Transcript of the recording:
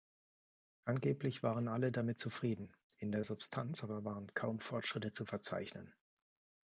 Angeblich waren alle damit zufrieden, in der Substanz aber waren kaum Fortschritte zu verzeichnen.